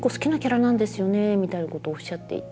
みたいなことをおっしゃっていて。